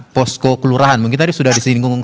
posko kelurahan mungkin tadi sudah disinggung